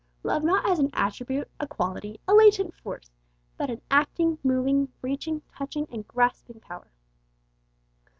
Love not as an attribute, a quality, a latent force, but an acting, moving, reaching, touching, and grasping power.